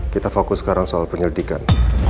kita fokus sekarang soal penyelidikan